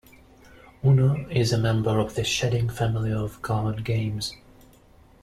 Uno is a member of the shedding family of card games.